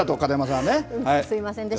すみませんでした。